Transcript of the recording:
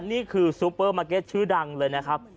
ซูเปอร์มาร์เก็ตชื่อดังเลยนะครับ